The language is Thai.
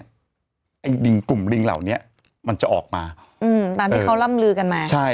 ไอ้ลิงกลุ่มลิงเหล่านี้มันจะออกมาอืมตามที่เขาร่ำลือกันมาใช่